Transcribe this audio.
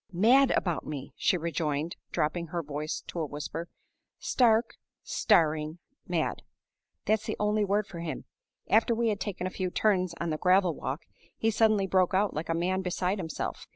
"Mad about me!" she rejoined, dropping her voice to a whisper. "Stark, staring mad! that's the only word for him. After we had taken a few turns on the gravel walk, he suddenly broke out like a man beside himself.